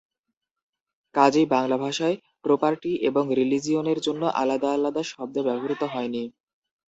কাজেই বাংলাভাষায় প্রোপার্টি এবং রিলিজিয়নের জন্য আলাদা আলাদা শব্দ ব্যবহৃত হয়নি।